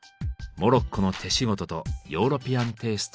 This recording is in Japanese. モロッコの手仕事とヨーロピアンテイストが共存。